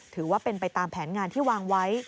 ถือว่าเป็นไปตามแผนงานที่วางไว้